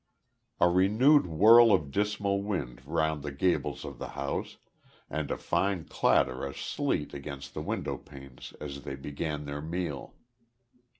A renewed whirl of dismal wind round the gables of the house, and a fine clatter of sleet against the windowpanes as they began their meal.